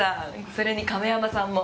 それに亀山さんも。